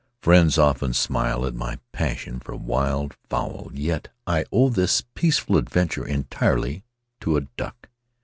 Friends often smile at my passion for wild fowl, yet I owe this peaceful adventure entirely to a duck.